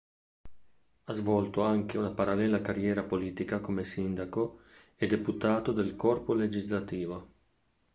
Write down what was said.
Ha svolto anche una parallela carriera politica come sindaco e deputato del corpo legislativo.